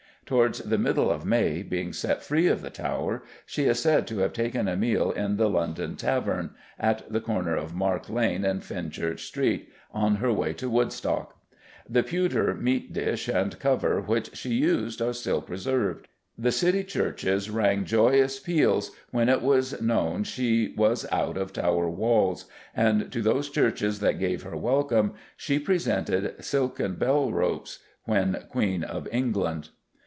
Towards the middle of May, being set free of the Tower, she is said to have taken a meal in the London Tavern at the corner of Mark Lane and Fenchurch Street on her way to Woodstock. The pewter meat dish and cover which she used are still preserved. The city churches rang joyous peals when it was known she was out of Tower walls, and to those churches that gave her welcome she presented silken bell ropes when Queen of England.